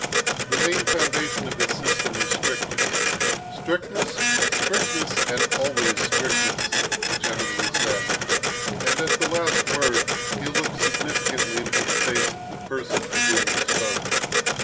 The main foundation of his system was strictness. "Strictness, strictness, and always strictness!" he generally said; and at the last word he looked significantly into the face of the person to whom he spoke.